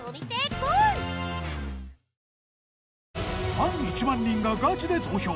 ファン１万人がガチで投票！